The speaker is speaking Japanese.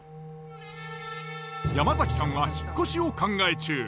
山崎さんは引っ越しを考え中。